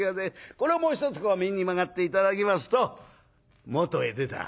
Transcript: これをもう一つ右に曲がって頂きますと元へ出た」。